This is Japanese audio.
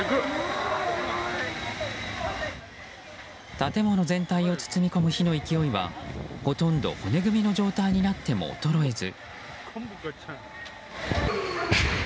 建物全体を包み込む火の勢いはほとんど骨組みの状態になっても衰えず。